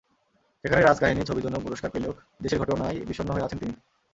সেখানে রাজকাহিনী ছবির জন্য পুরস্কার পেলেও দেশের ঘটনায় বিষণ্ন হয়ে আছেন তিনি।